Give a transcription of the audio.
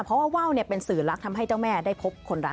เพราะว่าว่าวเป็นสื่อรักทำให้เจ้าแม่ได้พบคนรัก